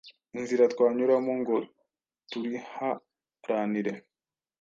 inzira twanyuramo ngo turiharanire.